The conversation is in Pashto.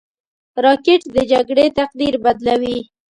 راکټ د جګړې تقدیر بدلوي